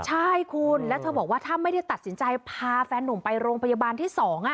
ใช่คุณแล้วเธอบอกว่าถ้าไม่ได้ตัดสินใจพาแฟนนุ่มไปโรงพยาบาลที่๒